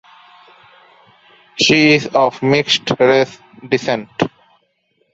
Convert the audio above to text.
She is of mixed race descent.